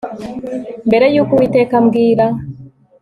Mbere yuko Uwiteka ambwira